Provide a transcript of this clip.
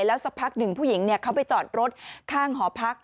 แล้วสักพักหนึ่งผู้หญิงเขาไปจอดรถข้างหอพัก